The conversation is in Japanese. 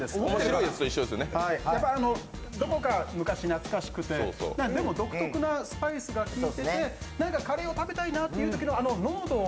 どこか、昔懐かしくてでも独特なスパイスがきいてて何かカレーを食べたいなというときの濃度を